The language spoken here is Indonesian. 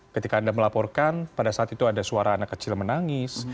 ketika anda melaporkan pada saat itu ada suara anak kecil menangis